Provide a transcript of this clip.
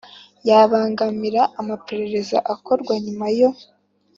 yabangamira amaperereza akorwa nyuma yo